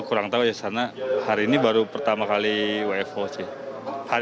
kurang tahu ya sana hari ini baru pertama kali wfo sih